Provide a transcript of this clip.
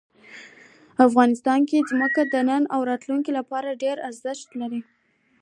افغانستان کې ځمکه د نن او راتلونکي لپاره ډېر ارزښت لري.